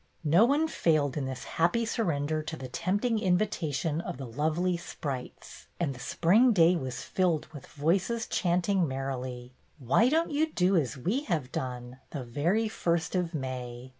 No one failed in this happy sur render to the tempting invitation of the lovely sprites, and the spring day was filled with voices chanting merrily: " Why don't you do as we have done, The very first of May